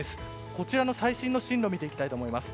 こちらの最新の進路を見ていきます。